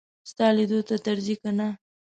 ستا لیدو ته درځي که نه.